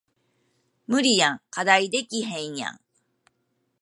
無理やん課題できへんやん